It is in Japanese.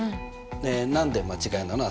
で何で間違いなの？